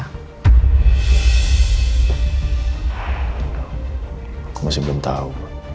aku masih belum tau